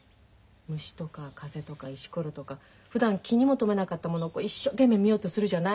虫とか風とか石ころとかふだん気にも留めなかったものを一生懸命見ようとするじゃない？